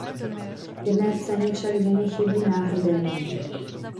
V jedné scéně však ženě chybí náhrdelník.